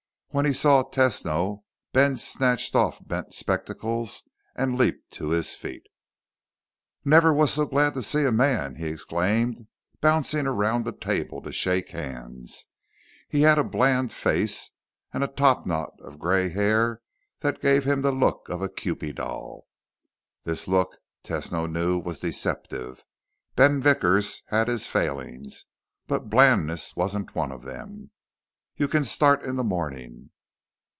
When he saw Tesno, Ben snatched off bent spectacles and leaped to his feet. "Never was so glad to see a man!" he exclaimed, bouncing around the table to shake hands. He had a bland face and a topknot of gray hair that gave him the look of a kewpie doll. This look, Tesno knew, was deceptive. Ben Vickers had his failings, but blandness wasn't one of them. "You can start in the morning."